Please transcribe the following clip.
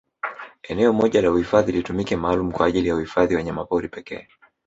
Eneo moja la uhifadhi litumike maalum kwa ajili ya uhifadhi wanyamapori pekee